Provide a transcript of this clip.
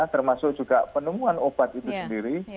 termasuk juga penemuan obat itu sendiri